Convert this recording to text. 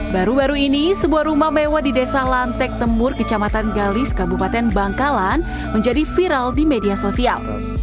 baru baru ini sebuah rumah mewah di desa lantek temur kecamatan galis kabupaten bangkalan menjadi viral di media sosial